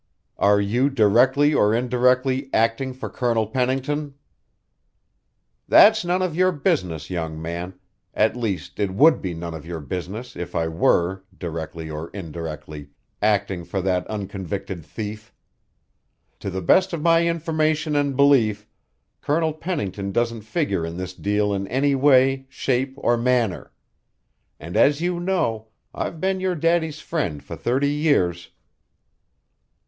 "Are you, directly or indirectly, acting for Colonel Pennington?" "That's none of your business, young man at least, it would be none of your business if I were, directly or indirectly, acting for that unconvicted thief. To the best of my information and belief, Colonel Pennington doesn't figure in this deal in any way, shape, or manner; and as you know, I've been your daddy's friend for thirty years."